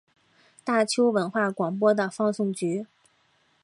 大邱文化广播的放送局。